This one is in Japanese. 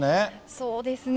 そうですね。